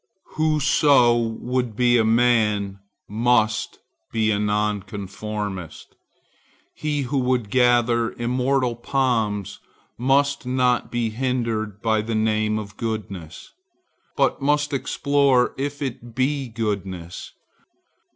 Whoso would be a man, must be a nonconformist. He who would gather immortal palms must not be hindered by the name of goodness, but must explore if it be goodness.